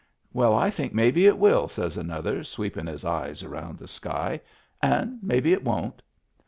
"Well, I think maybe it will," says another, sweepin' his eyes around the sky. " And maybe it won't."